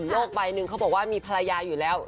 ใบหนึ่งเขาบอกว่ามีภรรยาอยู่แล้ว